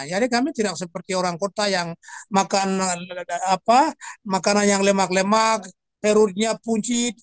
jadi kami tidak seperti orang kota yang makan makanan yang lemak lemak perutnya puncit